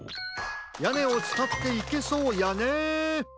やねをつたっていけそうやね。